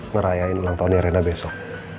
ngerahin ulang tahunnya rena besok